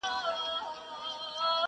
ډاکټره خاص ده ګنې وه ازله ,